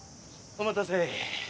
お待たせ。